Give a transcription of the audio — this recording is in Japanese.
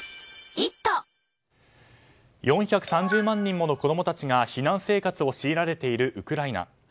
４３０万人もの子供たちが避難生活を強いられているウクライナ。